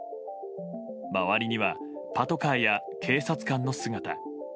周りにはパトカーや警察官の姿。